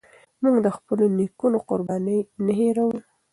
موږ د خپلو نيکونو قربانۍ نه هيروو.